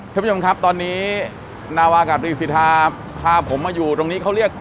ท่านผู้ชมครับตอนนี้นาวากาตรีสิทธาพาผมมาอยู่ตรงนี้เขาเรียก